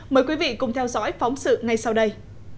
mời quý vị cùng theo dõi phóng sự ngay sau đây